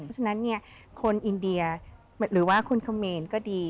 เพราะฉะนั้นคนอินเดียหรือว่าคุณเขมรก็ดี